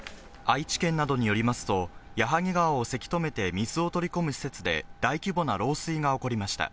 愛知県などによりますと、矢作川をせき止めて水を取り込む施設で大規模な漏水が起こりました。